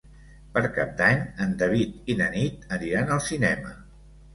Per Cap d'Any en David i na Nit aniran al cinema.